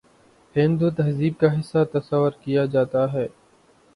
ہندو تہذیب کا حصہ تصور کیا جاتا تھا